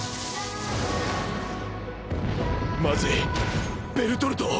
まずいベルトルト！！